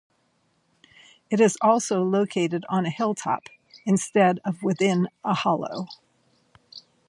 It is also located on a hilltop, instead of within a hollow.